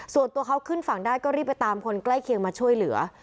ส่วนตัวเขาขึ้นฝั่งได้ก็รีบไปตามคนใกล้เคียงมาช่วยเหลือ